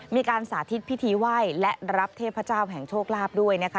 มีการสาธิตพิธีไหว้และรับเทพเจ้าแห่งโชคลาภด้วยนะคะ